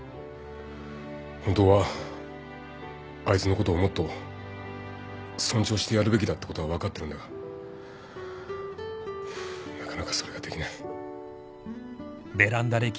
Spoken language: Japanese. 本当はあいつのことをもっと尊重してやるべきだってことは分かってるんだがなかなかそれができない。